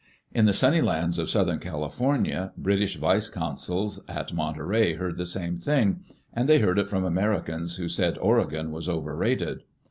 In the sunny lands of southern California, British vice consuls at Monterey heard the same thing. And they heard it from Americans who said Oregon was over rated.